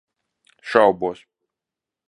Šaubos.